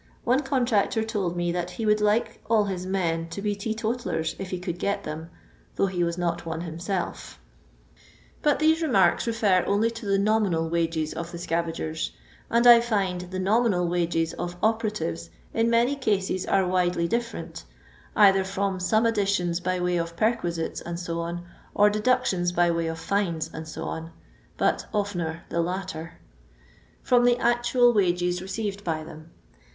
One contractor told me that he would like all his men to be tee totallers, if he could get them, though he was not one himself. But these remarks refer only to the nominal wages of the scavagers ; and I find the nominal wages of operatives in many cases are widely dif ferent (either from some additions by way of perquisites, &e., or deductions by way of fines, &c., but oftener the latter) from the O/ctnal wages received by them.